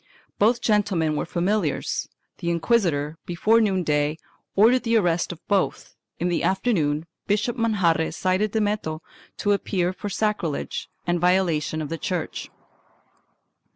Both gentlemen were familiars. The inquisitor, before noon day, ordered the arrest of both; in the afternoon Bishop Manjarre cited Dameto to appear for sacrilege and violation of the church.